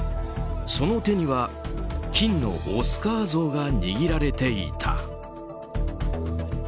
その手には金のオスカー像が握られていた。